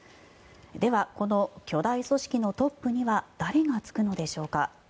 では、この巨大組織のトップには誰が就くのでしょうか。